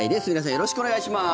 よろしくお願いします。